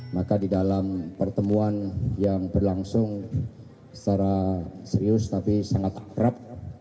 maka di dalam pertemuan yang berlangsung secara serius tapi sangat berat